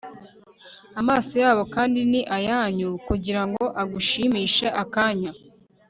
Amaso yabo kandi ni ayanyu kugirango agushimishe akanya